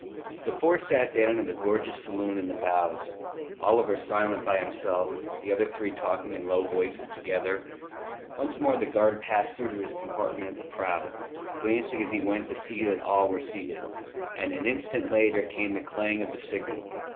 The four sat down in the gorgeous saloon in the bows; Oliver silent by himself, the other three talking in low voices together. Once more the guard passed through to his compartment at the prow, glancing as he went to see that all were seated; and an instant later came the clang of the signal.